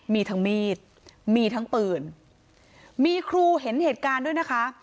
มีทั้งมีดมีทั้งปืนมีครูเห็นเหตุการณ์ด้วยนะคะ